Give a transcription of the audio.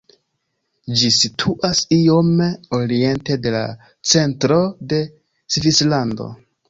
Ĝi situas iom oriente de la centro de Svislando.